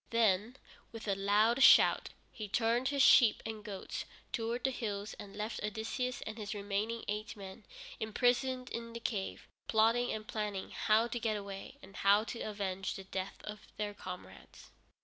Then, with a loud shout, he turned his sheep and goats towards the hills and left Odysseus and his remaining eight men imprisoned in the cave, plotting and planning how to get away, and how to avenge the death of their comrades.